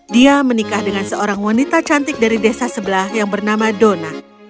dia menikah dengan seorang wanita cantik dari desa sebelah yang bernama dona